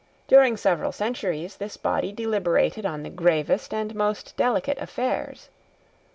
During several centuries this body deliberated on the gravest and most delicate affairs.